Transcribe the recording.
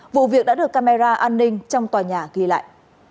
vụ việc đã được camera an ninh trong tòa nhà ghi lại